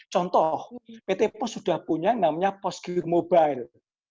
contoh pt post sudah punya namanya postgear mobile